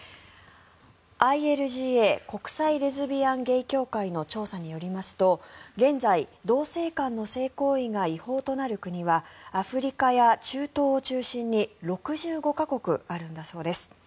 ＩＬＧＡ＝国際レズビアン・ゲイ協会の調査によりますと現在、同性間の性行為が違法となる国はアフリカや中東を中心に６５か国あるんだそうです。